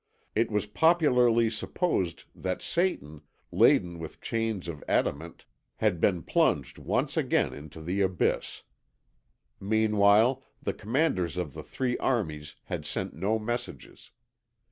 It was popularly supposed that Satan, laden with chains of adamant, had been plunged once again into the abyss. Meanwhile, the commanders of the three armies had sent no messages.